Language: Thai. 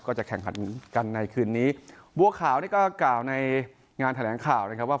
จะแข่งขันกันในคืนนี้บัวขาวนี่ก็กล่าวในงานแถลงข่าวนะครับว่า